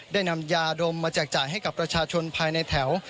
นำยาดมมาแจกจ่ายให้กับประชาชนภายในแถว